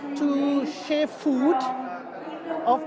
satu untuk berbagi makanan